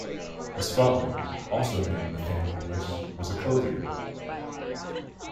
His father, also named Nathaniel Bliss, was a clothier.